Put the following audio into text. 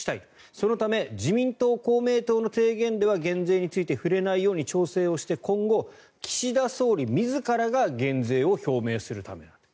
そのため自民党、公明党の提言では減税について触れないように調整をして今後、岸田総理自らが減税を表明するためだと。